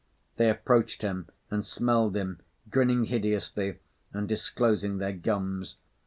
They approached him and smelled him, grinning hideously and disclosing their gums.